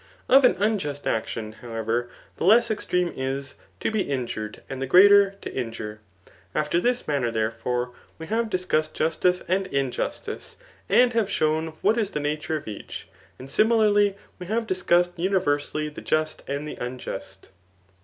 Of an unjust action, how ever, the less extreme is, to be injured, and the greater, to injure. After this manner, theref<^e, we have dis cussed justice and iiqustice, and have shown what is the nature of each ; and similarly we have discussed univer sally the just and the unjust.